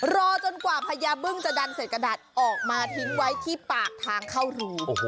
รอจนกว่าพญาบึ้งจะดันเศษกระดาษออกมาทิ้งไว้ที่ปากทางเข้ารู